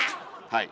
はい。